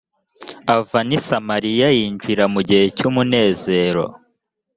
ava n’i samariya yinjira mu gihe cy’umunezero